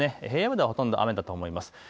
平野部でほとんど雨だと思います。